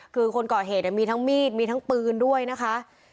คือคนก่อเหตุมีทั้งมีดมีทั้งปืนด้วยนะคะ